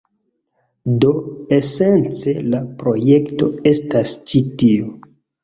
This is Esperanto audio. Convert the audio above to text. Do esence la projekto estas ĉi tio.